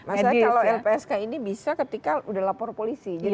masanya kalau lpsk ini bisa ketika sudah lapor polisi